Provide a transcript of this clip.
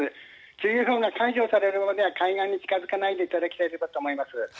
注意報が解除されるまでは海岸に近付かないでいただければと思います。